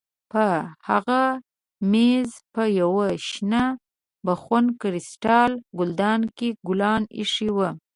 پر هغه مېز په یوه شنه بخون کریسټال ګلدان کې ګلان ایښي وو.